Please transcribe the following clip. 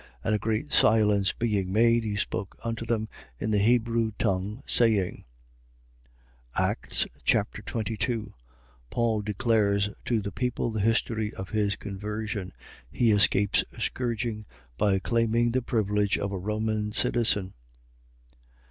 And a great silence being made, he spoke unto them in the Hebrew tongue, saying: Acts Chapter 22 Paul declares to the people the history of his conversion. He escapes scourging by claiming the privilege of a Roman citizen.